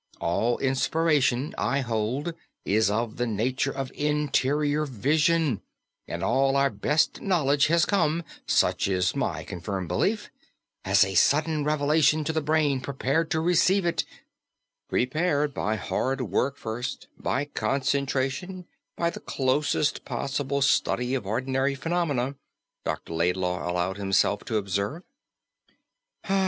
All inspiration, I hold, is of the nature of interior Vision, and all our best knowledge has come such is my confirmed belief as a sudden revelation to the brain prepared to receive it " "Prepared by hard work first, by concentration, by the closest possible study of ordinary phenomena," Dr. Laidlaw allowed himself to observe.